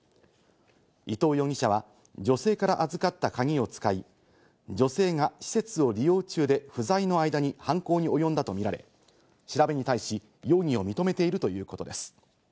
伊藤容疑者は女性から預かった鍵を使い、女性が施設を利用中で不在の間に犯行に及んだと見られ、調べに対し、容疑を認めているということです。